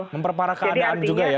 memperparah keadaan juga ya